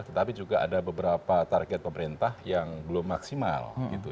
tetapi juga ada beberapa target pemerintah yang belum maksimal